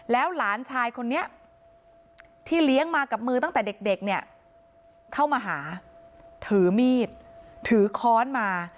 แล้วหลานชายคนนี้ที่เลี้ยงมากับมือตั้งแต่เด็กเนี่ยเข้ามาหาถือมีดถือค้อนมา